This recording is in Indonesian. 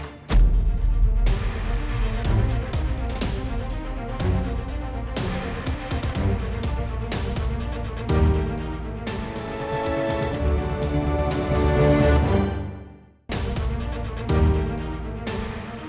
itu mobilnya pak alex